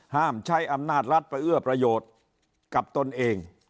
ห้ามใช้อำนาจรัฐไปเอื้อประโยชน์กับตนเอง